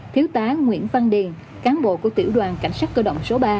thiếu tá nguyễn văn điền cán bộ của tiểu đoàn cảnh sát cơ động số ba